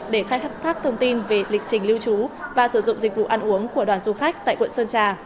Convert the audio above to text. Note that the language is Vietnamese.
để khai thác các thông tin về lịch trình lưu trú và sử dụng dịch vụ ăn uống của đoàn du khách tại quận sơn trà